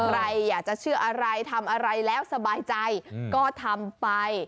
ใครอยากจะเชื่ออะไรทำอะไรแล้วสบายใจก็ทำไป